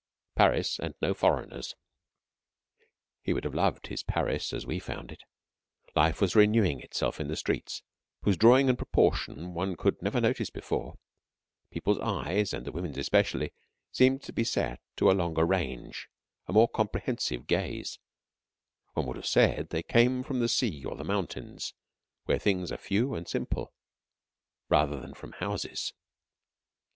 PARIS AND NO FOREIGNERS He would have loved his Paris as we found it. Life was renewing itself in the streets, whose drawing and proportion one could never notice before. People's eyes, and the women's especially, seemed to be set to a longer range, a more comprehensive gaze. One would have said they came from the sea or the mountains, where things are few and simple, rather than from houses.